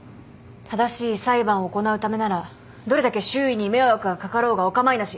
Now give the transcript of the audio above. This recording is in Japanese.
正しい裁判を行うためならどれだけ周囲に迷惑が掛かろうがお構いなし。